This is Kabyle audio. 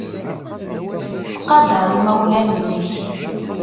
Ttqadar imawlan-nnek.